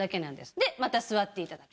でまた座っていただく。